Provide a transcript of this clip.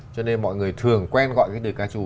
cho nên mọi người thường quen gọi cái đời ca trù